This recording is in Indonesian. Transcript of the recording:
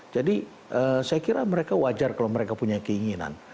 jadi saya kira mereka wajar kalau mereka punya keinginan